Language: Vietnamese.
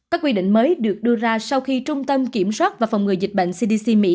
các quy định mới được đưa ra sau khi trung tâm kiểm soát và phòng ngừa dịch bệnh cdc mỹ